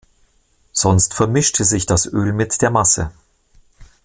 Somit vermischte sich das Öl mit der Masse.